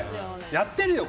やってるよ！